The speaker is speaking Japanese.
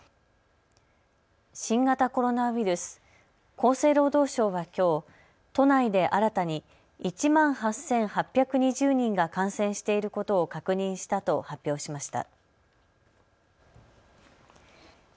新型コロナウイルス、厚生労働省はきょう都内で新たに１万８８２０人が感染していることを確認したと発表しました。